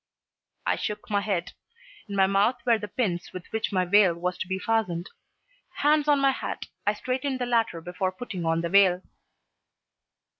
I shook my head. In my mouth were the pins with which my veil was to be fastened. Hands on my hat, I straightened the latter before putting on the veil.